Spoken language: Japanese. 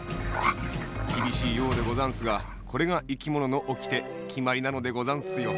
きびしいようでござんすがこれがいきもののおきてきまりなのでござんすよ。